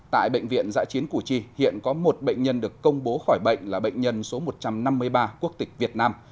tại bệnh viện giã chiến củ chi hiện có một bệnh nhân được công bố khỏi bệnh là bệnh nhân số một trăm năm mươi ba quốc tịch việt nam